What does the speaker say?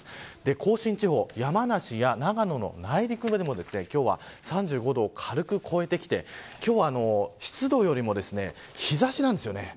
甲信地方、山梨や長野の内陸でも今日は３５度を軽く超えてきて今日は湿度よりも日差しなんですよね。